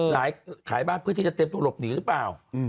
ขายบ้านเพื่อที่จะเตรียมตัวหลบหนีหรือเปล่า